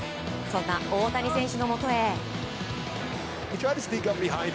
そんな大谷選手のもとへ。